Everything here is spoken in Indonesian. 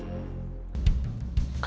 jalan yang sama